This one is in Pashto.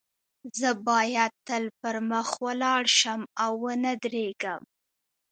زه باید تل پر مخ ولاړ شم او و نه درېږم